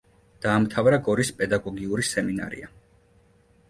დაამთავრა გორის პედაგოგიური სემინარია.